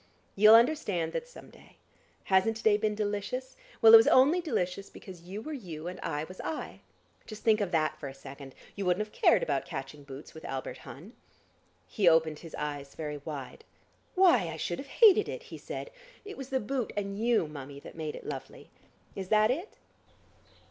You'll understand that some day. Hasn't to day been delicious? Well, it was only delicious because you were you and I was I. Just think of that for a second! You wouldn't have cared about catching boots with Albert Hun." He opened his eyes very wide. "Why, I should have hated it!" he said. "It was the boot and you, Mummie, that made it lovely. Is that it?"